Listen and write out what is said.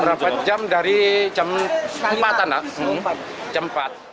berapa jam dari jam empat